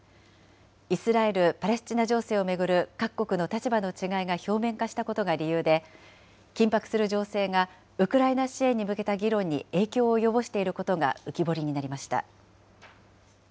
イスラエル・パレスチナ情勢を巡る各国の立場の違いが表面化したことが理由で、緊迫する情勢がウクライナ支援に向けた議論に影響を及ぼしていることが浮き彫りになりました。